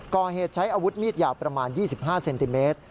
ก่อเหตุใช้อาวุธมีดยาวประมาณ๒๕เซนติเมตร